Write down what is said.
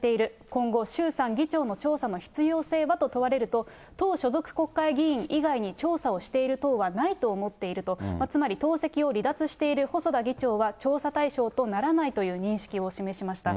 今後、衆参議長の調査の必要性はと問われると、党所属国会議員以外に調査をしている党はないと思っていると、つまり党籍を離脱している細田議長は調査対象とならないという認識を示しました。